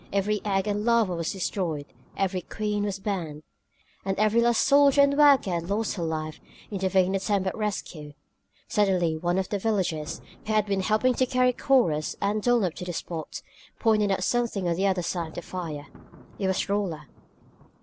Every egg and larva was destroyed; every queen was burned. And every last soldier and worker had lost her life in the vain attempt at rescue. Suddenly one of the villagers, who had been helping to carry Corrus and Dulnop to the spot, pointed out something on the other side of the fire! It was Rolla!